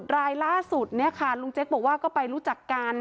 รายล่าสุดเนี่ยค่ะลุงเจ๊กบอกว่าก็ไปรู้จักกัน